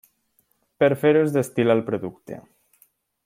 Per fer-ho es destil·la el producte.